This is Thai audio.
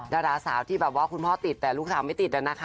ดาราสาวที่แบบว่าคุณพ่อติดแต่ลูกสาวไม่ติดนะคะ